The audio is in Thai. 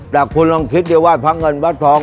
แต่คุณลองคิดเดี๋ยวว่ายพระเงินบัตรทอง